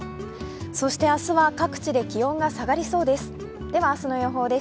そして明日は各地で気温が下がりそうです。